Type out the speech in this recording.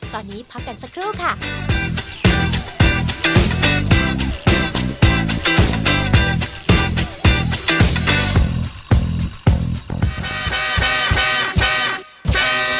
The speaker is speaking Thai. โปรดติดตามตอนต่อไป